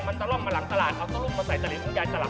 มันจะล่อมมาหลังตลาดเขาก็ลุงมาใส่ตาลิ่งของยายตลับ